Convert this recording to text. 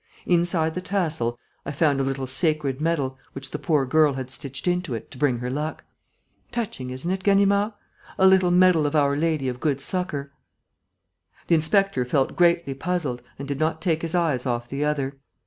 Inside the tassel, I found a little sacred medal, which the poor girl had stitched into it to bring her luck. Touching, isn't it, Ganimard? A little medal of Our Lady of Good Succour." The inspector felt greatly puzzled and did not take his eyes off the other.